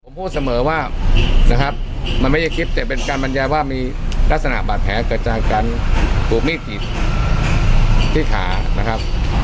ผมพูดเสมอว่านะครับมันไม่ใช่คลิปแต่เป็นการบรรยายว่ามีลักษณะบาดแผลเกิดจากการถูกมีดจีบที่ขานะครับ